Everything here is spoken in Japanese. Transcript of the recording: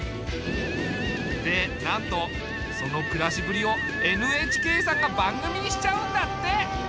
でなんとその暮らしぶりをＮＨＫさんが番組にしちゃうんだって。